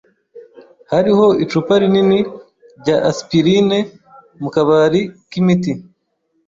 Hariho icupa rinini rya aspirine mu kabari k’imiti.